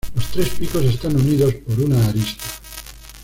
Los tres picos están unidos por una arista.